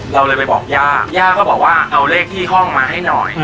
เราเลยไปบอกย่าย่าก็บอกว่าเอาเลขที่ห้องมาให้หน่อย